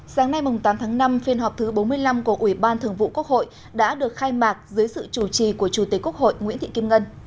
sáng nay tám tháng năm phiên họp thứ bốn mươi năm của ủy ban thường vụ quốc hội đã được khai mạc dưới sự chủ trì của chủ tịch quốc hội nguyễn thị kim ngân